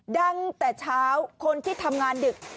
ดังแต่เช้าคนที่ทำงานดึก